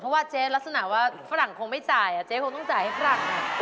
เพราะว่าเจ๊ลักษณะว่าฝรั่งคงไม่จ่ายเจ๊คงต้องจ่ายให้ฝรั่ง